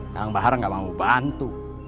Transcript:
kang bahar nggak mau bantu